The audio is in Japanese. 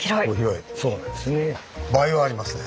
倍はありますね。